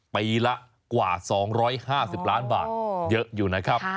ปีละกว่า๒๕๐ล้านบาทเยอะอยู่นะครับ